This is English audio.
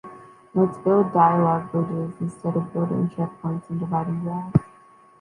Let's build dialogue bridges instead of building checkpoints and dividing walls.